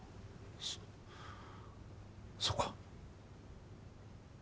そそうか。